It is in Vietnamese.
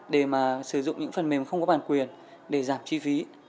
để mà sử dụng những phần mềm không có bản quyền để giảm chi phí